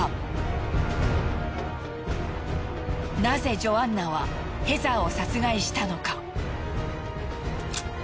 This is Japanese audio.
なぜジョアンナはヘザーを殺害したのか？